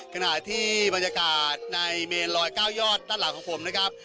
ขณะที่บรรยากาศในเมนลอย๙ยอดด้านหลังของผมนะครับ